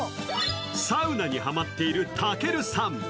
サウナにハマっているたけるさん。